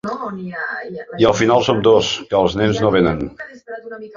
I al final som dos, que els nens no venen.